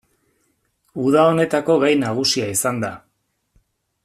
Uda honetako gai nagusia izan da.